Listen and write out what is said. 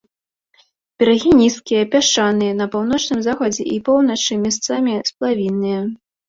Берагі нізкія, пясчаныя, на паўночным захадзе і поўначы месцамі сплавінныя.